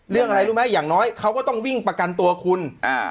เรื่องอะไรรู้ไหมอย่างน้อยเขาก็ต้องวิ่งประกันตัวคุณอ่า